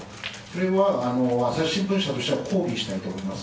それは朝日新聞社としては抗議したいと思います。